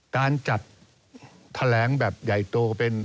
การจัดแถลงแบบใหญ่โต